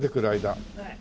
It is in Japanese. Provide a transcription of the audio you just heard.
はい。